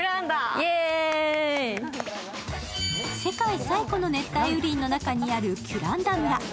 世界最古の熱帯雨林の中にあるキュランダ村。